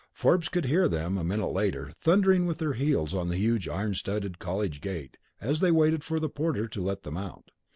Forbes could hear them, a minute later, thundering with their heels on the huge iron studded college gate as they waited for the porter to let them out.